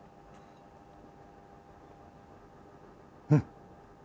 うん！